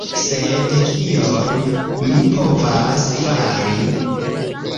Sed kion mi povas fari?